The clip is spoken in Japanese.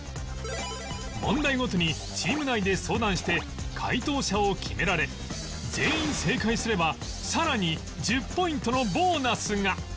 問題ごとにチーム内で相談して解答者を決められ全員正解すればさらに１０ポイントのボーナスが